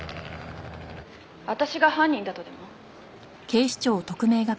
「私が犯人だとでも？」